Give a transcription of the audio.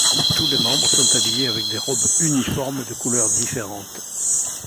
Tous les membres sont habillés avec des robes uniforme de couleur différentes.